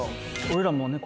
俺らもね